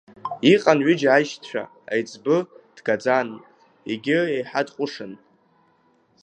Иҟан ҩыџьа аишьцәа, аиҵбы дгаӡан, егьи еиҳа дҟәышын.